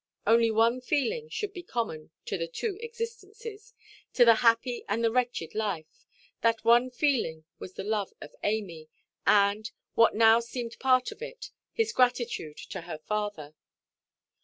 Only one feeling should be common to the two existences, to the happy and the wretched life; that one feeling was the love of Amy, and, what now seemed part of it, his gratitude to her father.